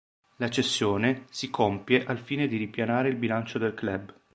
La cessione si compie al fine di ripianare il bilancio del club.